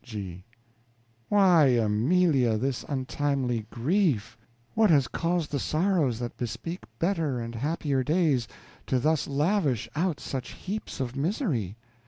G. Why, Amelia, this untimely grief? What has caused the sorrows that bespeak better and happier days, to those lavish out such heaps of misery?